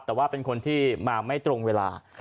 แต่ว่าเป็นคนที่มาไม่ตรงเวลา